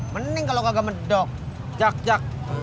mending kalau gak gamedok jack jack